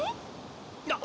なっ。